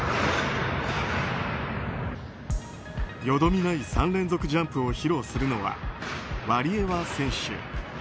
よどみない３連続ジャンプを披露するのはワリエワ選手。